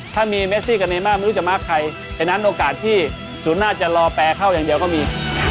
ถ้ามีเมซี่กับเนม่าไม่รู้จะมาร์คใครฉะนั้นโอกาสที่ศูนย์หน้าจะรอแปรเข้าอย่างเดียวก็มี